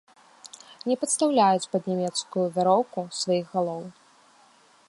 Не падстаўляюць пад нямецкую вяроўку сваіх галоў.